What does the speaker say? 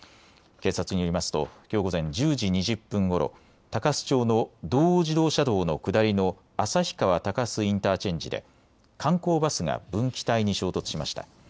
警察によりますときょう午前１０時２０分ごろ、鷹栖町の道央自動車道の下りの旭川鷹栖インターチェンジで観光バスが分岐帯に衝突しました。